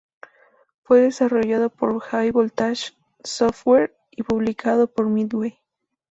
Fue desarrollado por High Voltage Software y publicado por Midway.